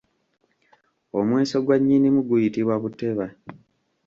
Omweso gwa Nnyinimu guyitibwa buteba.